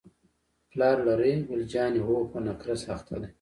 پلار لرې؟ ګل جانې: هو، په نقرس اخته دی.